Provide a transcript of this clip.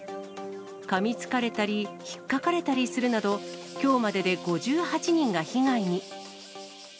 かみつかれたり、ひっかかれたりするなど、きょうまでで５８人が被害に。